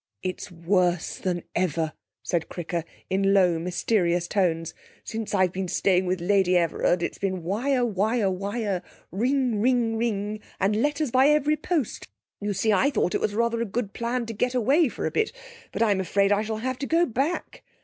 'It's worse than ever,' said Cricker, in low, mysterious tones. 'Since I've been staying with Lady Everard it's been wire, wire, wire ring, ring, ring and letters by every post! You see, I thought it was rather a good plan to get away for a bit, but I'm afraid I shall have to go back.